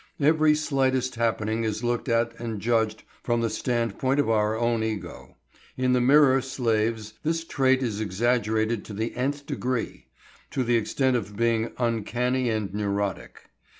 Every slightest happening is looked at and judged from the standpoint of our own ego. In the mirror slaves this trait is exaggerated to the n th degree, to the extent of being uncanny and neurotic.